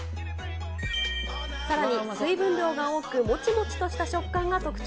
さらに水分量が多く、もちもちとした食感が特徴。